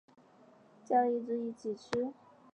叫了一只一起吃